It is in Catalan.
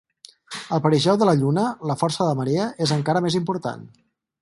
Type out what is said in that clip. Al perigeu de la Lluna, la força de marea és encara més important.